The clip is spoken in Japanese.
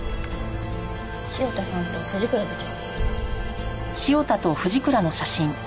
潮田さんと藤倉部長。